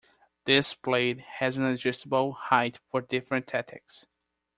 This blade has an adjustable height for different tactics.